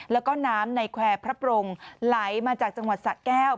แล้วก็น้ำในแควร์พระปรงไหลมาจากจังหวัดสะแก้ว